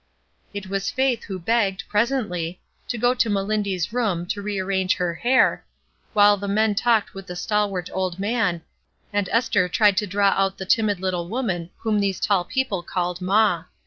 It was Faith who begged, presently, to go to Melindy's room to rearrange her hair, while the men talked with the stalwart old man, and Esther tried to draw out the timid little woman whom these tall people called "maw."